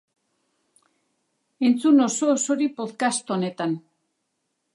Entzun oso-osorik podcast honetan.